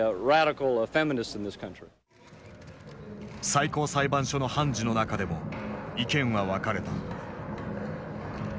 最高裁判所の判事の中でも意見は分かれた。